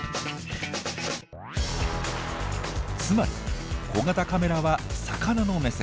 つまり小型カメラは魚の目線。